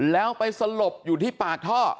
แล้วไปสลบอยู่ที่ปากท่อ